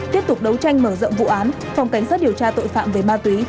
tiếp tục đấu tranh mở rộng vụ án phòng cảnh sát điều tra tội phạm về ma túy